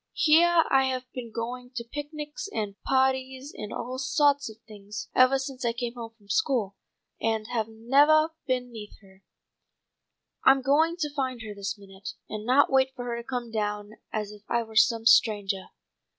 Heah I have been going to picnics and pahties and all sawts of things evah since I came home from school, and have nevah been neah her. I'm going to find her this minute, and not wait for her to come down as if I were some strangah."